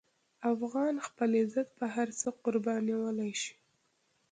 افغان خپل عزت په هر څه قربانولی شي.